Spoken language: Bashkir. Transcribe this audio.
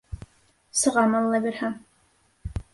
Сығам, Алла бирһә.